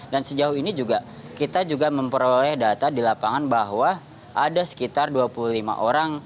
dan sejauh ini juga kita juga memperoleh data di lapangan bahwa ada sekitar dua puluh lima orang